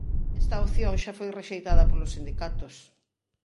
Esta opción xa foi rexeitada polos sindicatos.